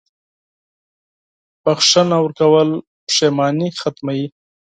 • بښنه ورکول پښېماني ختموي.